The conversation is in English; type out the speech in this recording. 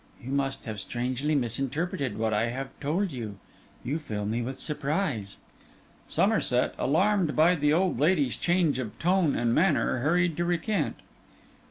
'You must have strangely misinterpreted what I have told you. You fill me with surprise.' Somerset, alarmed by the old lady's change of tone and manner, hurried to recant.